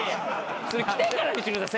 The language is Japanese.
それ来てからにしてください